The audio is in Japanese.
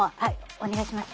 お願いします。